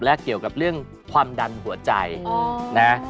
และเกี่ยวกับเรื่องความดันหัวใจนะ